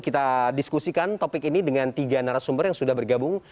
kita diskusikan topik ini dengan tiga narasumber yang sudah bergabung